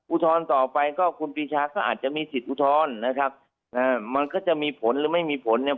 ต่อไปก็คุณปีชาก็อาจจะมีสิทธิอุทธรณ์นะครับอ่ามันก็จะมีผลหรือไม่มีผลเนี่ย